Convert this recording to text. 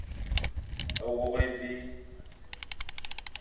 Wôkh évi.